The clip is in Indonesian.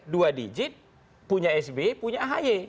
dua digit punya sby punya ahy